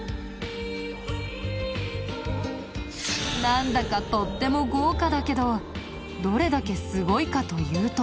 なんだかとっても豪華だけどどれだけすごいかというと。